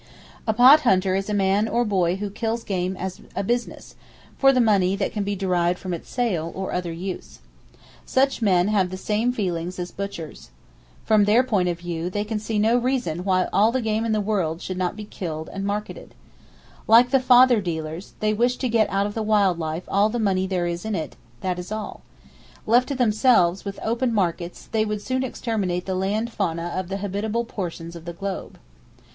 A Pot Hunter is a man or boy who kills game as a business, for the money that can be derived from its sale, or other use. Such men have the same feelings as butchers. From their point of view, they can see no reason why all the game in the world should not be killed and marketed. Like the feather dealers, they wish to get out of the wild life all the money there is in it; that is all. Left to themselves, with open markets they would soon exterminate the land fauna of the habitable portions of the globe.